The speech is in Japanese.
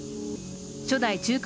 初代中華